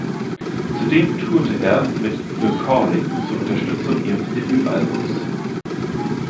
Zudem tourte er mit The Calling zur Unterstützung ihres Debütalbums.